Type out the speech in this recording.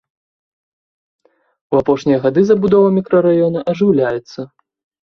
У апошнія гады забудова мікрараёна ажыўляецца.